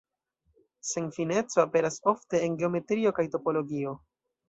Senfineco aperas ofte en geometrio kaj topologio.